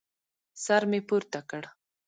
سر مې پورته کړ.